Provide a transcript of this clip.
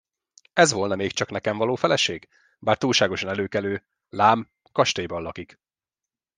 Ez volna még csak nekem való feleség, bár túlságosan előkelő, lám, kastélyban lakik!